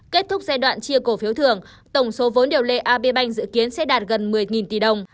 kết thúc giai đoạn chia cổ phiếu thường tổng số vốn điều lệ ab bank dự kiến sẽ đạt gần một mươi tỷ đồng